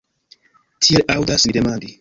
Tiel aŭdas ni demandi.